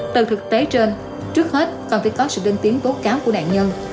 từ thực tế trên trước hết còn phải có sự đơn tiếng cố cáo của nạn nhân